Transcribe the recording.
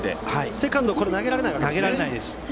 セカンドは投げられないわけですね。